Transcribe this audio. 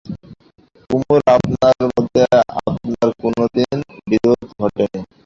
কুমুর আপনার মধ্যে আপনার কোনোদিন বিরোধ ঘটে নি।